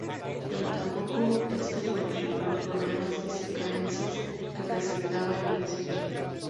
Pero tampoco esto solucionó los problemas y carencias que presentaba el príncipe.